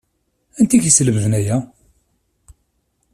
Anti i k-yeslemden aya?